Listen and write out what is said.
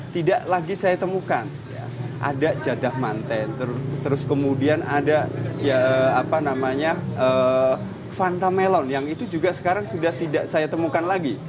tidak lagi saya temukan ada jadah mantent terus kemudian ada fanta melon yang itu juga sekarang sudah tidak saya temukan lagi